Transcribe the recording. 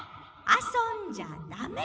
あそんじゃダメ！」。